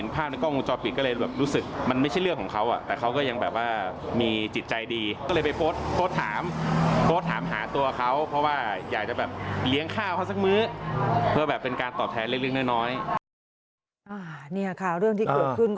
เพราะว่าอยากจะเหลียงข้าวเขาซักมื้อกัน